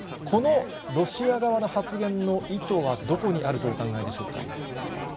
このロシア側の発言の意図はどこにあるとお考えでしょうか。